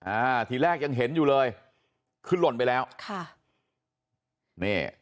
อ่าทีแรกยังเห็นอยู่เลยคือหล่นไปแล้วค่ะนี่